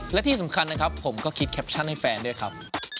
และที่สำคัญนะครับผมก็คิดแคปชั่นให้แฟนด้วยครับ